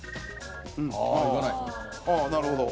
ああなるほど。